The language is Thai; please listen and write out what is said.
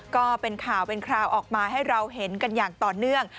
ก็เป็นข่าวเป็นคราวออกมาให้เราเห็นกันอย่างต่อเนื่อง